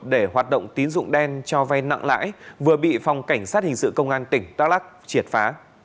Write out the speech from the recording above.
để hoạt động tín dụng đen cho vay nặng lãi vừa bị phòng cảnh sát hình sự công an tỉnh đắk lắc triệt phá